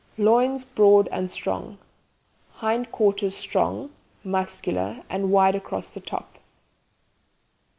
Loins broad and strong. Hind quarters strong, muscular, and wide across the top.